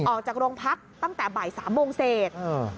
ออกจากโรงพักตั้งแต่บ่าย๓โมงเศษ